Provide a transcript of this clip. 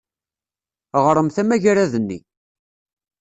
Ɣṛemt amagrad-nni.